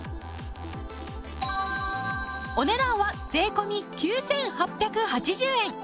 お値段は税込９８８０円。